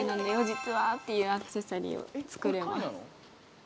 実は！っていうアクセサリーを作れます。